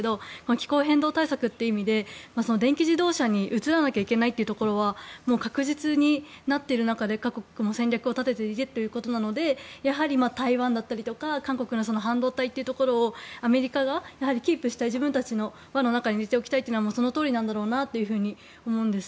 気候変動対策という意味で電気自動車に移らなきゃいけないことは確実になっている中で、各国も戦略を立てているということでやはり、台湾だったりとか韓国の半導体というところをアメリカがキープして自分たちの輪の中に入れておきたいのはそのとおりなんだろうなと思うんです。